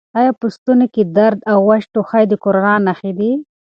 آیا په ستوني کې درد او وچ ټوخی د کرونا نښې دي؟